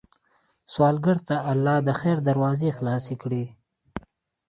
سوالګر ته الله د خیر دروازې خلاصې کړې